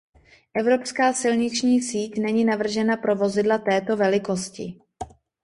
Evropská silniční síť není navržena pro vozidla této velikosti.